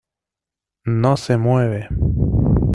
no se mueve.